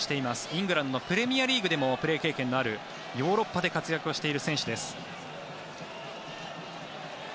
イングランドのプレミアリーグでもプレー経験のあるヨーロッパで活躍している選手です。